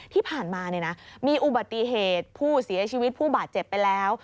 ที่ผ่านมามีอุบัติเหตุผู้เสียชีวิตผู้บาดเจ็บไปแล้ว